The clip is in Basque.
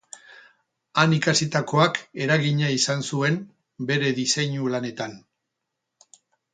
Han ikasitakoak eragina izan zuen bere diseinu-lanetan.